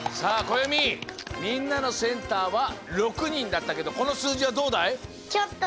こよみみんなのセンターは６にんだったけどこのすうじはどうだい？